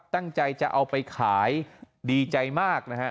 ตั้งใจจะเอาไปขายดีใจมากนะฮะ